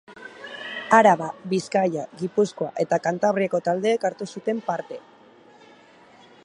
Araba, Bizkaia, Gipuzkoa eta Kantabriako taldeek hartu zuten parte.